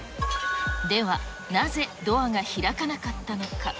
では、なぜドアが開かなかったのか。